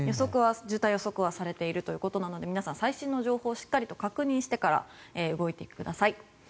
渋滞予測がされているということですので皆さん、最新の情報をしっかり確認してから動いてください。